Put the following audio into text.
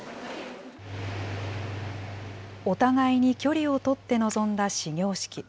お互いに距離を取って臨んだ始業式。